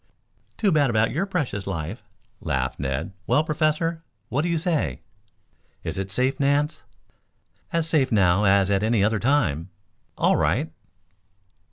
"Too bad about your precious life," laughed Ned. "Well, Professor, what do you say?" "Is it safe, Nance?" "As safe now as at any other time." "All right."